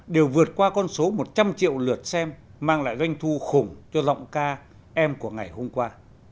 đều vượt qua con số một trăm linh triệu lượt xem mang lại doanh thu khủng cho giọng ca em của ngày hôm qua